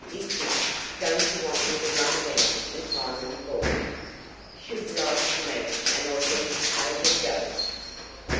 If not, don't you want me to run down and find them for you? Should like to meet an authenticated ghost.